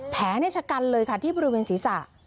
ชะกันเลยค่ะที่บริเวณศีรษะ